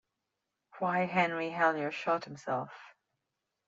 Why Henry Hellyer Shot Himself.